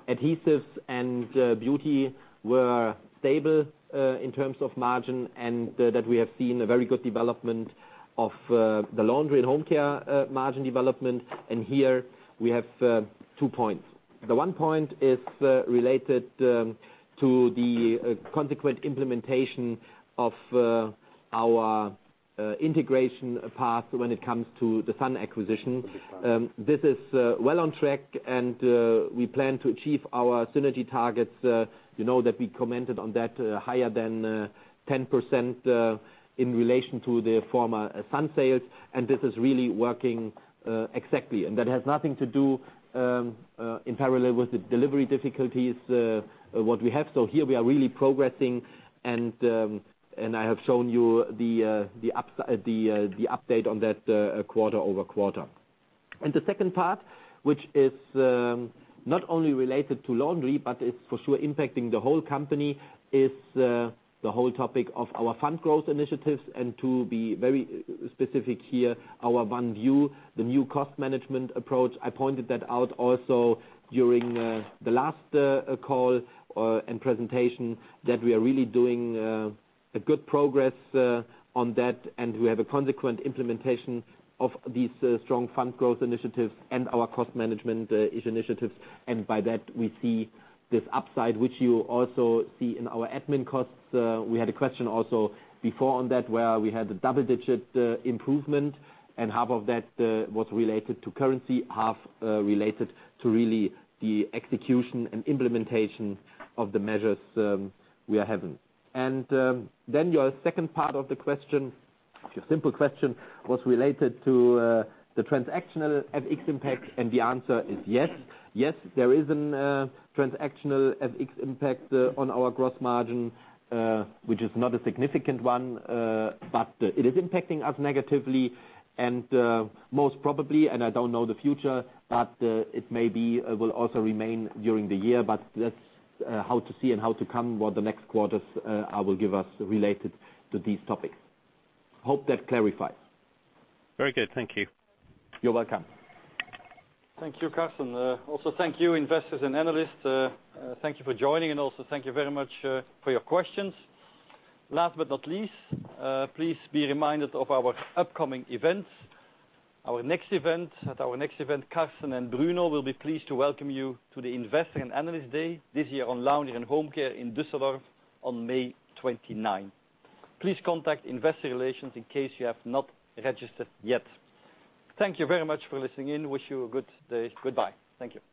Adhesive Technologies and Beauty Care were stable in terms of margin, that we have seen a very good development of the Laundry & Home Care margin development. Here we have two points. The one point is related to the consequent implementation of our integration path when it comes to the Sun acquisition. This is well on track and we plan to achieve our synergy targets. You know that we commented on that higher than 10% in relation to the former Sun sales, and this is really working exactly. That has nothing to do in parallel with the delivery difficulties, what we have. Here we are really progressing and I have shown you the update on that quarter-over-quarter. The second part, which is not only related to Laundry & Home Care, but it's for sure impacting the whole company, is the whole topic of our fund growth initiatives. To be very specific here, our ONE! ViEW, the new cost management approach. I pointed that out also during the last call and presentation that we are really doing a good progress on that and we have a consequent implementation of these strong fund growth initiatives and our cost management initiatives. By that we see this upside, which you also see in our admin costs. We had a question also before on that, where we had the double-digit improvement, and half of that was related to currency, half related to really the execution and implementation of the measures we are having. Your second part of the question, your simple question, was related to the transactional FX impact and the answer is yes. Yes, there is a transactional FX impact on our gross margin, which is not a significant one. It is impacting us negatively and most probably, and I don't know the future, but it maybe will also remain during the year. That's how to see and how to come what the next quarters are will give us related to these topics. Hope that clarifies. Very good. Thank you. You're welcome. Thank you, Carsten. Also, thank you, investors and analysts. Thank you for joining and also thank you very much for your questions. Last but not least, please be reminded of our upcoming events. At our next event, Carsten and Bruno will be pleased to welcome you to the Investor and Analyst Day this year on Laundry and Home Care in Düsseldorf on May 29th. Please contact investor relations in case you have not registered yet. Thank you very much for listening in. Wish you a good day. Goodbye. Thank you.